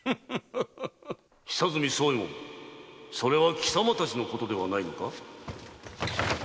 ・久住総右衛門それは貴様達のことではないのか？